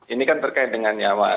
ini kan terkait dengan nyawa